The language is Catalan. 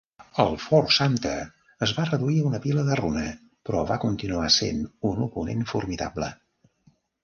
El Fort Sumter es va reduir a un pila de runa, però va continuar sent un oponent formidable.